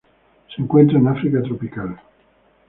Se encuentra en África tropical.